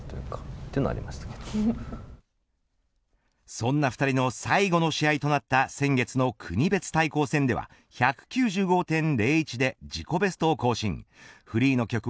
そんな２人の最後の試合となった先月の国別対抗戦では１９５．０１で自己ベストを更新。